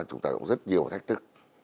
chúng ta cũng rất nhiều thách thức